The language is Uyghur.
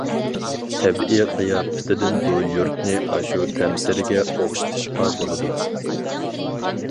تەبىئىي قىياپىتىدىن بۇ يۇرتنى ئاشۇ تەمسىلگە ئوخشىتىشقا بولىدۇ.